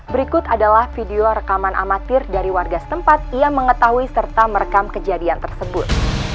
berikut adalah video rekaman amatir dari warga setempat yang mengetahui serta merekam kejadian tersebut